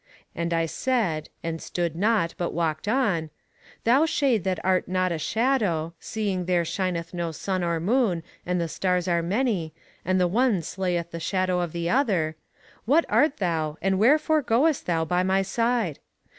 And I said, and stood not, but walked on: Thou shade that art not a shadow, seeing there shineth no sun or moon, and the stars are many, and the one slayeth the shadow of the other, what art thou, and wherefore goest thou by my side?